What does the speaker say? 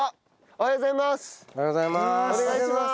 おはようございます。